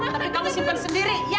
tapi kamu simpen sendiri iya kan